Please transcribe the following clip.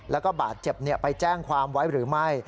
แล้วก็บาดเจ็บไปแจ้งความไว้หรือไม่